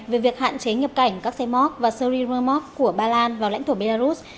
về việc hạn chế nhập cảnh các xe mok và surya mok của ba lan vào lãnh thổ belarus